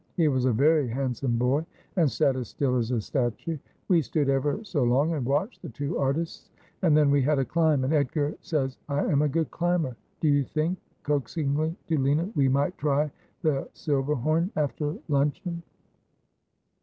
He was a very handsome boy, and sat as still as a statue. We stood ever so long and watched the two artists ; and then we had a climb ; and Edgar says I am a good climber. Do you think,' coaxingly to Lina, ' we might try the Silberhorn after luncheon